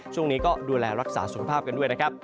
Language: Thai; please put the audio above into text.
ช่วงนี้ก็ดูแลรักษาสุขภาพกันด้วยนะครับ